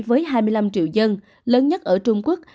với hai mươi năm triệu dân lớn nhất ở trung quốc